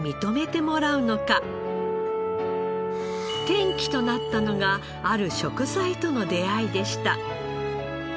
転機となったのがある食材との出会いでした。